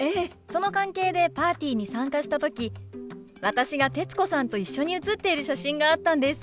その関係でパーティーに参加した時私が徹子さんと一緒に写っている写真があったんです。